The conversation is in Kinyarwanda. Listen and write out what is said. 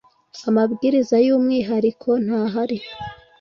amabwiriza y umwihariko ntahari